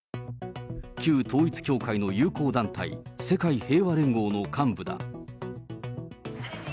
旧統一教会の友好団体、世界平和連合の幹部だ。